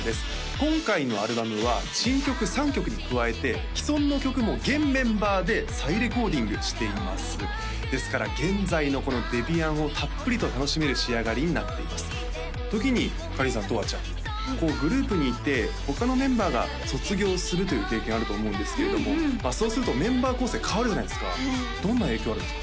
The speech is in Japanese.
今回のアルバムは新曲３曲に加えて既存の曲も現メンバーで再レコーディングしていますですから現在のこのデビアンをたっぷりと楽しめる仕上がりになっています時にかりんさんとわちゃんこうグループにいて他のメンバーが卒業するという経験あると思うんですけれどもまあそうするとメンバー構成変わるじゃないですかどんな影響あるんですか？